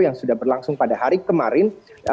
yang sudah berlangsung pada hari kemarin